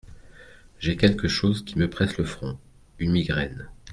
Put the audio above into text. J'ai quelque chose qui me presse le front, une migraine.